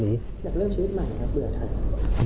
อยากเริ่มชีวิตใหม่ครับเบื่อทัน